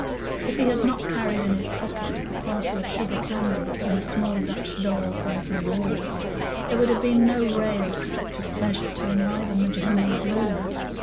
If he had not carried in his pocket a parcel of sugar candy and a small Dutch doll for little Laura, there would have been no ray of expected pleasure to enliven the general gloom.